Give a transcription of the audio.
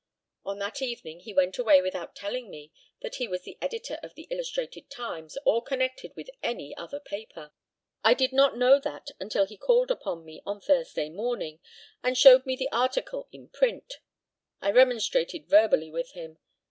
On that evening he went away without telling me that he was the editor of the Illustrated Times, or connected with any other paper. I did not know that until he called upon me on Thursday morning, and showed me the article in print. I remonstrated verbally with him.